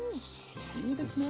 いいですね。